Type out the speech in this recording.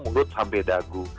mulut sampai dagu